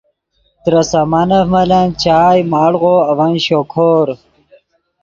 ترے سامانف ملن چائے، مڑغو اڤن شوکور